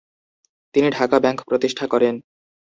তিনি ঢাকা ব্যাংক প্রতিষ্ঠা করেন।